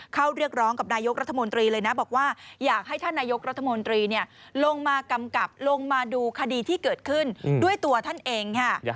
เรียกร้องกับนายกรัฐมนตรีเลยนะบอกว่าอยากให้ท่านนายกรัฐมนตรีลงมากำกับลงมาดูคดีที่เกิดขึ้นด้วยตัวท่านเองค่ะ